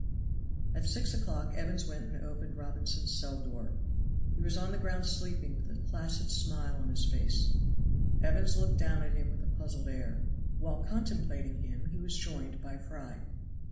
At six o'clock Evans went and opened Robinson's cell door. He was on the ground sleeping, with a placid smile on his face. Evans looked down at him with a puzzled air. While contemplating him he was joined by Fry.